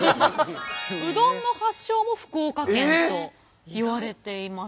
うどんの発祥も福岡県といわれています。